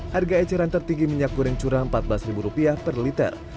harga eceran tertinggi minyak goreng curah rp empat belas per liter